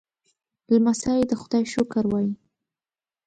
لمسی د خدای شکر وايي.